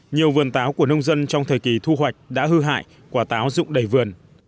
nhiều vườn táo của nông dân trong thời kỳ thu hoạch đã hư hại quả táo rụng đầy vườn